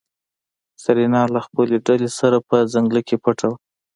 سېرېنا له خپلې ډلې سره په ځنګله کې پټه وه.